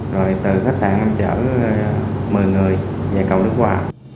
rồi từ khách sạn em chở một mươi người về cầu đức hòa